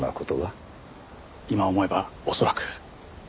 今思えば恐らく。